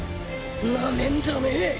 なめんじゃねえ。